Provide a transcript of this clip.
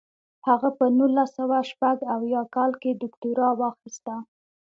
هغه په نولس سوه شپږ اویا کال کې دوکتورا واخیسته.